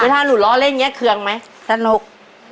ถ้าหนูล้อเล่นอย่างนี้เคืองไหมสนุก